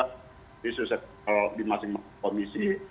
maka juga di masing masing komisi